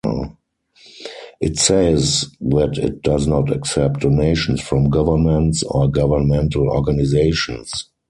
It says that it does not accept donations from governments or governmental organizations.